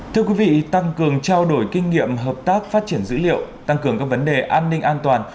thưa quý vị tăng cường trao đổi kinh nghiệm hợp tác phát triển dữ liệu tăng cường các vấn đề an ninh an toàn